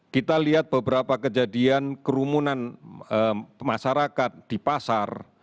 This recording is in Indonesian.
kita lihat beberapa kejadian kerumunan masyarakat di pasar